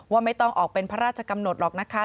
ไม่ต้องออกเป็นพระราชกำหนดหรอกนะคะ